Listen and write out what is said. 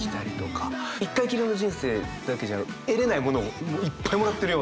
一回きりの人生だけじゃ得れないものをいっぱいもらってるような。